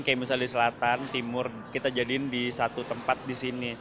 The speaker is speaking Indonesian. kayak misalnya di selatan timur kita jadiin di satu tempat di sini